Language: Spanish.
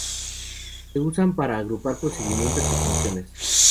Se usan para agrupar procedimientos y funciones.